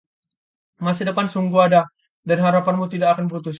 Masa depan sungguh ada, dan harapanmu tidak akan putus.